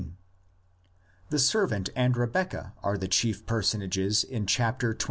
; the servant and Rebeccah are the chief personages in chap. xxiv.